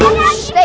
tuh tuh tuh tuh